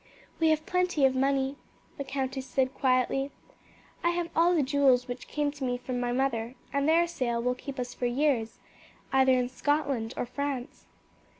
"We have plenty of money," the countess said quietly. "I have all the jewels which came to me from my mother, and their sale will keep us for years, either in Scotland or France."